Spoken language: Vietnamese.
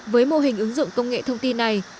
với mô hình ứng dụng công nghệ thông tin này